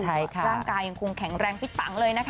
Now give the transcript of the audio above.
ร่างกายยังคงแข็งแรงฟิตปังเลยนะคะ